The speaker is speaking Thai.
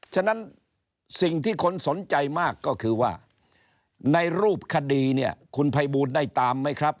ฉะนั้นสิ่งที่คนสนใจมากก็คือว่าในรูปคดีเนี่ยคุณภัยบูลได้ตามไหมครับ